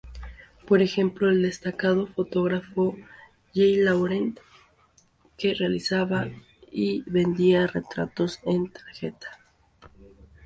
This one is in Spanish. Por ejemplo, el destacado fotógrafo J. Laurent, que realizaba y vendía "retratos en tarjeta".